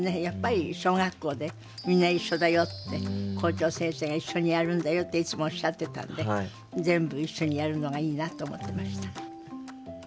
やっぱり小学校で「みんないっしょだよ」って校長先生が「一緒にやるんだよ」っていつもおっしゃってたんで全部一緒にやるのがいいなと思ってました。